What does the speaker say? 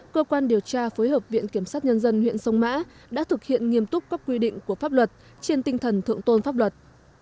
cơ quan điều tra phối hợp viện kiểm sát nhân dân huyện sông mã đã thực hiện nghiêm túc các quy định của pháp luật trên tinh thần thượng tôn pháp luật